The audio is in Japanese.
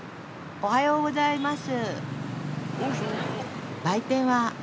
おはようございます。